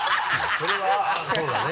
それはそうだね。